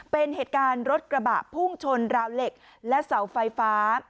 เป็นเหตุการณ์รถกระบะพุ่งชนราวเหล็กและเสาไฟฟ้า